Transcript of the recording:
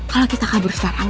kalau kita kabur sekarang